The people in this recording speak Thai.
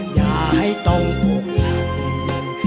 อย่าให้ต้องปกหัก